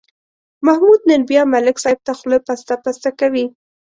محمود نن بیا ملک صاحب ته خوله پسته پسته کوي.